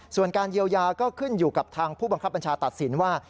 ส่วนการเยียวยาก็ขึ้นอยู่กับทางผู้บังคับบัญชาตัดสินว่า